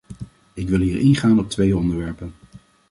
Ik wil hier ingaan op twee onderwerpen.